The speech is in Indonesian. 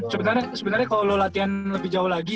sebenernya kalo lo latihan lebih jauh lagi